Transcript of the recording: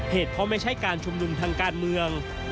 เหตุเพราะไม่ใช่การชุมนุมทางการเมือง